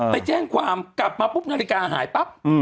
ไปแจ้งความกลับมาปุ๊บนาฬิกาหายปั๊บ